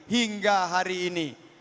hingga hari ini